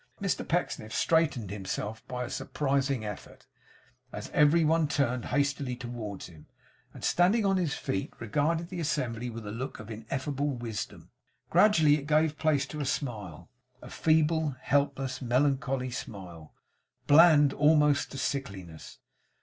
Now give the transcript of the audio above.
Mr Pecksniff straightened himself by a surprising effort, as every one turned hastily towards him; and standing on his feet, regarded the assembly with a look of ineffable wisdom. Gradually it gave place to a smile; a feeble, helpless, melancholy smile; bland, almost to sickliness.